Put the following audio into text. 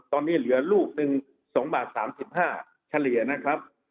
ตอนนี้เหลือลูกหนึ่ง๒บาท๓๕เฉลี่ยนะครับ